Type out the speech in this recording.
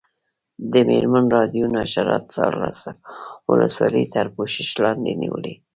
د مېرمن راډیو نشراتو څوارلس ولسوالۍ تر پوښښ لاندې نیولي.